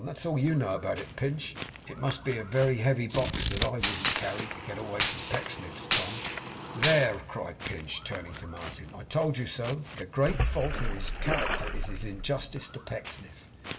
'That's all you know about it, Pinch. It must be a very heavy box that I wouldn't carry to get away from Pecksniff's, Tom.' 'There!' cried Pinch, turning to Martin, 'I told you so. The great fault in his character is his injustice to Pecksniff.